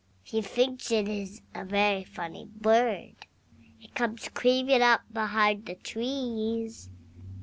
He thinks it is a very funny bird! HE comes creeping up behind the trees.